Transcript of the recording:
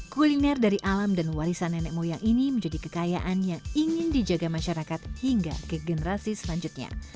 kuliner dari alam dan warisan nenek moyang ini menjadi kekayaan yang ingin dijaga masyarakat hingga ke generasi selanjutnya